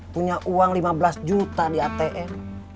punya uang lima belas juta di atm